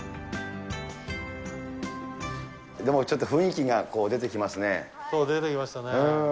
でもちょっと雰囲気が出てき出てきましたね。